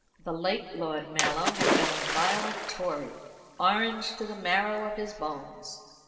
The late Lord Mallow had been a violent Tory, Orange to the marrow of his bones.